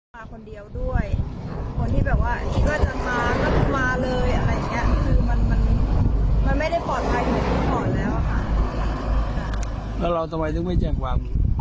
แล้วก็รับตัวเขามีญาตินะครับรับตัวกลับบ้านแล้วยาดเขาก็บอกว่า